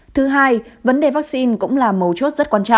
thứ hai vấn đề vaccine cũng là mấu chốt rất quan trọng